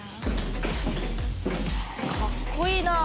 かっこいいなあ。